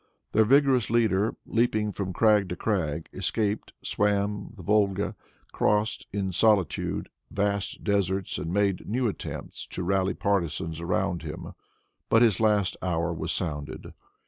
Their vigorous leader, leaping from crag to crag, escaped, swam the Volga, crossed, in solitude, vast deserts, and made new attempts to rally partisans around him. But his last hour was sounded.